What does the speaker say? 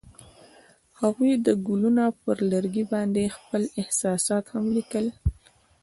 هغوی د ګلونه پر لرګي باندې خپل احساسات هم لیکل.